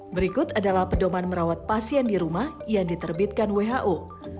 berikut adalah pedoman merawat pasien di rumah yang diterbitkan who